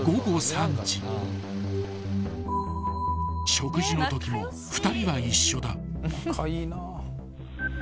［食事のときも２人は一緒だ］